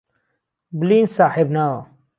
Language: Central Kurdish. بلین ساحێب ناوە